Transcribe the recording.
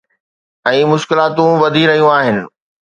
۽ مشڪلاتون وڌي رهيون آهن.